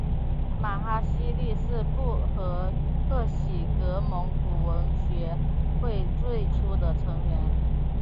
玛哈希力是布和贺喜格蒙古文学会最初的成员。